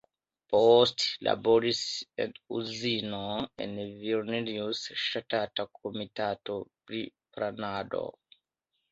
Poste laboris en uzino en Vilnius, ŝtata komitato pri planado.